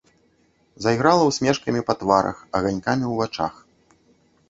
Зайграла ўсмешкамі па тварах, аганькамі ў вачах.